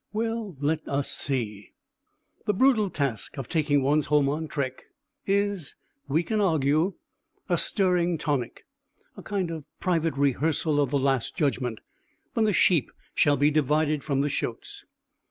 Well, let us see. The brutal task of taking one's home on trek is (we can argue) a stirring tonic, a kind of private rehearsal of the Last Judgment, when the sheep shall be divided from the shoats.